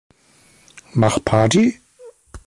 Mach Party?